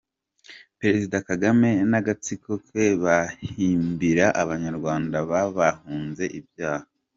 -Perezida Kagame n’agatsiko ke bahimbira abanyarwanda babahunze ibyaha